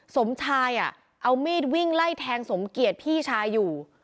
สมชายเอามีดวิ่งไล่แทงสมเกียจพี่ชายอยู่